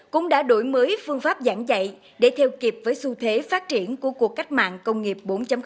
cũng đã đổi mới phương pháp giảng dạy để theo kịp với xu thế phát triển của cuộc cách mạng công nghiệp bốn